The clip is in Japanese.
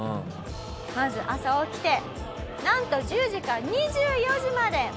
まず朝起きてなんと１０時から２４時まで麻雀を打ちます。